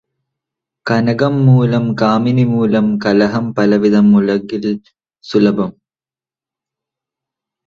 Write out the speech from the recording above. കനകംമൂലം കാമിനിമൂലം കലഹം പലവിധമുലകിൽ സുലഭം.